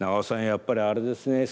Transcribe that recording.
やっぱりあれですね